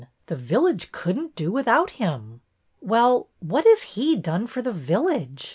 The village could n't do without him." ''Well, what has he done for the village?"